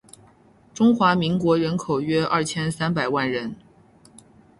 中华民国人口约二千三百万人